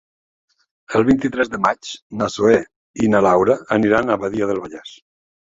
El vint-i-tres de maig na Zoè i na Laura aniran a Badia del Vallès.